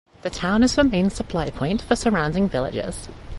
The town is the main supply point for surrounding villages.